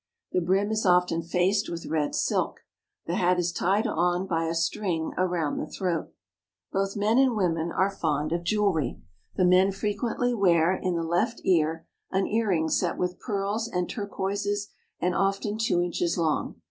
The brim is often faced with red silk. The hat is tied on by a string around the throat. TIBET AND THE TIBETANS 31I Both men and women are fond of jewelry. The men frequently wear, in the left ear, an earring set with pearls and turquoises and often two inches long.